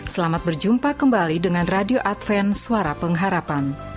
selamat berjumpa kembali dengan radio adven suara pengharapan